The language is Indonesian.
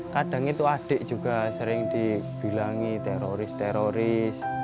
kadang itu adik juga sering dibilangi teroris teroris